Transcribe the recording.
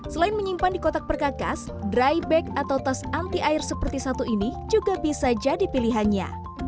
selain menyimpan di kotak perkakas dry bag atau tas anti air seperti satu ini juga bisa jadi pilihannya